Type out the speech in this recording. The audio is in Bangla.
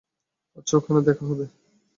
আচ্ছা, ওখানে দেখা হবে।